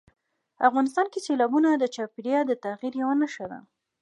افغانستان کې سیلابونه د چاپېریال د تغیر یوه نښه ده.